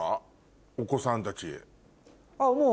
あっもう。